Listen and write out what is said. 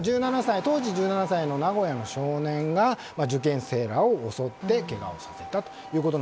１７歳の名古屋の少年が受験生らを襲ってけがをさせたと。